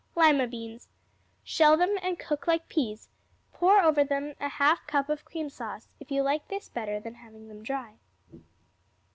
Lima Beans Shell them and cook like peas; pour over them a half cup of cream sauce, if you like this better than having them dry.